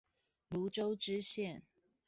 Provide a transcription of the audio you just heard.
蘆洲支線